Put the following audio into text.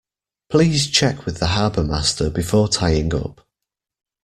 Please check with the harbourmaster before tying up